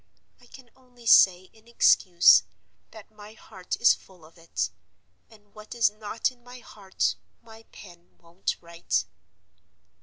I can only say, in excuse, that my heart is full of it; and what is not in my heart my pen won't write.